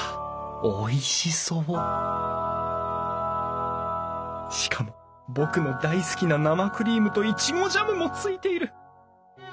おいしそうしかも僕の大好きな生クリームといちごジャムもついている。